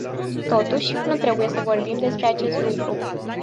Totuși, nu trebuie să vorbim despre acest lucru.